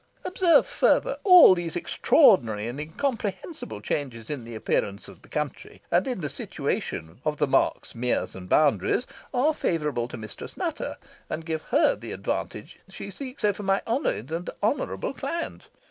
Observe, further, all these extraordinary and incomprehensible changes in the appearance of the country, and in the situation of the marks, meres, and boundaries, are favourable to Mistress Nutter, and give her the advantage she seeks over my honoured and honourable client.